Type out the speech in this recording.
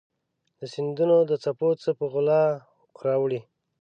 د سیندونو د څپو څه په غلا راوړي